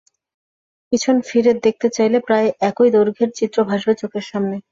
পেছনে ফিরে দেখতে চাইলে প্রায় একই দৈর্ঘ্যের চিত্র ভাসবে চোখের সামনে।